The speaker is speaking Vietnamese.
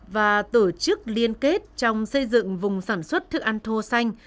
và tổ chức liên kết trong xây dựng vùng sản xuất thức ăn thô xanh